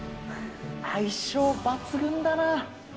相性抜群だな。